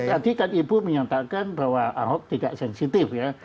tadi kan ibu menyatakan bahwa ahok tidak sensitif ya